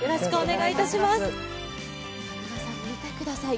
皆さん、見てください。